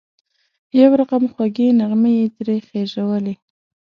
یو رقم خوږې نغمې یې ترې خېژولې.